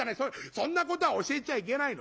そんなことは教えちゃいけないの。